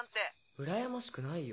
うらやましくないよ